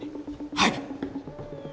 はい！